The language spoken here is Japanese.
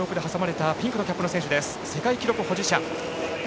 世界記録保持者。